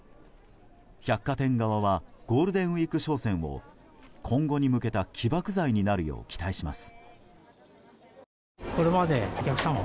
百貨店側はゴールデンウィーク商戦を今後に向けた起爆剤になるよう期待します。